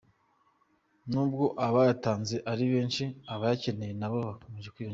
Nubwo abayatanze ari benshi, abayakeneye nabo bakomeje kwiyongera.